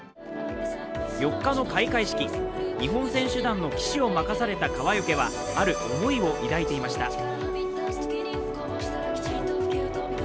４日の開会式、日本選手団の旗手を任された川除はある思いを抱いていました。